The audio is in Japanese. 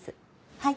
はい。